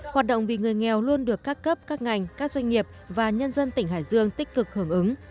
hoạt động vì người nghèo luôn được các cấp các ngành các doanh nghiệp và nhân dân tỉnh hải dương tích cực hưởng ứng